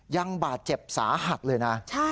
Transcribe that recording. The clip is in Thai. ยังบาดเจ็บสาหัสเลยนะ